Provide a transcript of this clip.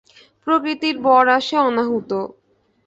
প্রকৃতির বর আসে অনাহূত।